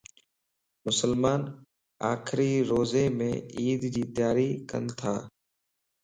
مسلمان آخري روزيمَ عيدَ جي تياري ڪنتا